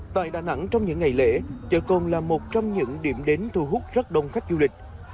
tại đà nẵng trong những ngày lễ chợ cồn là một trong những điểm đến thu hút rất đông khách du lịch